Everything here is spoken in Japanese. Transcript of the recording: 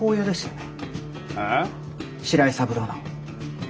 白井三郎の。